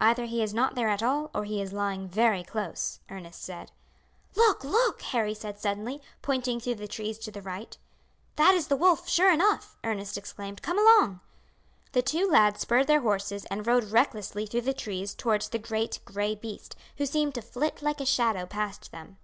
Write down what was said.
"Either he is not there at all, or he is lying very close," Ernest said. "Look, look!" Harry said suddenly, pointing through the trees to the right. "That is the wolf, sure enough," Ernest exclaimed. "Come along." The two lads spurred their horses and rode recklessly through the trees towards the great gray beast, who seemed to flit like a shadow past them.